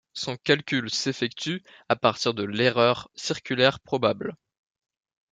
Son calcul s'effectue à partir de l'erreur circulaire probable.